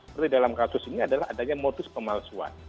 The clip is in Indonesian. jadi dalam kasus ini adalah adanya modus pemalsuan